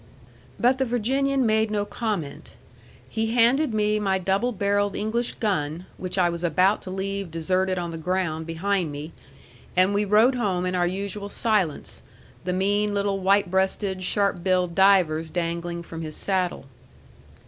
But the Virginian made no comment. He handed me my double barrelled English gun, which I was about to leave deserted on the ground behind me, and we rode home in our usual silence, the mean little white breasted, sharp billed divers dangling from his saddle.